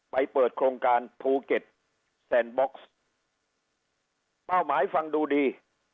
เปิดโครงการภูเก็ตแซนบ็อกซ์เป้าหมายฟังดูดี